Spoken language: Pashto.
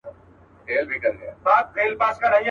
نن هغه اور د ابا پر مېنه بل دئ.